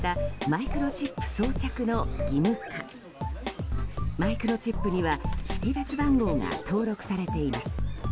マイクロチップには識別番号が登録されています。